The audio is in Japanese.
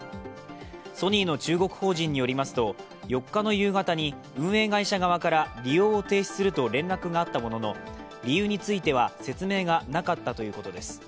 ソニーの中国法人によりますと４日の夕方に運営会社側から利用を停止すると連絡があったものの、理由については説明がなかったということです。